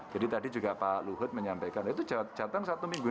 jadi tadi juga pak luhut menyampaikan itu jatuh satu miliar